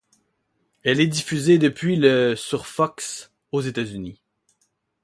Elle est diffusée depuis le sur Fox, aux États-Unis.